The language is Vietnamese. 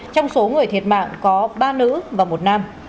trong số người thiệt mạng có ba nữ và một nam